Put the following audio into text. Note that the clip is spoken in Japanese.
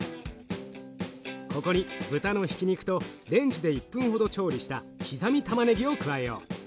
ここに豚のひき肉とレンジで１分ほど調理した刻みたまねぎを加えよう。